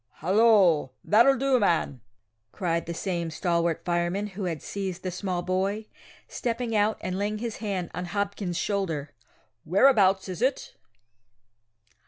"Hallo, that'll do, man!" cried the same stalwart fireman who had seized the small boy, stepping out and laying his hand on Hopkins's shoulder, whereabouts is it?